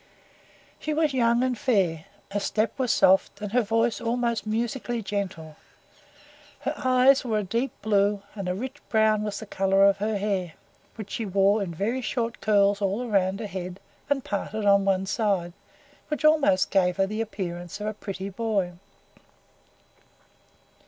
She was young and fair; her step was soft and her voice most musically gentle. Her eyes were a deep blue, and a rich brown was the colour of her hair, which she wore in very short curls all round her head and parted on one side, which almost gave her the appearance of a pretty boy.